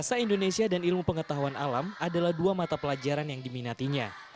mardiansah juga tidak terlalu banyak mencari teman yang diminatinya